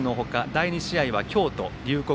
第２試合は京都・龍谷